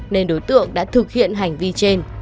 nên đối tượng đã thực hiện hành vi trên